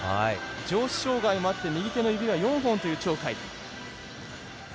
上肢障がいもあって右手の指は４本という鳥海。